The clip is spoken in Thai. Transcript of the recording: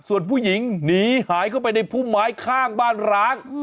ส่วนผู้หญิงหนีหายเข้าไปในพุ่มไม้ข้างบ้านร้าง